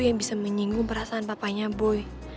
yang bisa menyinggung perasaan papanya boy